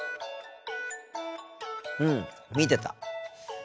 うん見てた。